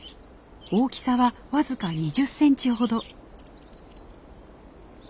大きさは僅か２０センチほど。